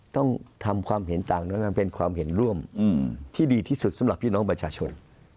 ต้องทำความเห็นต่างนั้นเป็นความเห็นร่วมที่ดีที่สุดสำหรับพี่น้องประชาชน